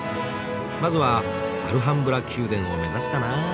まずはアルハンブラ宮殿を目指すかな。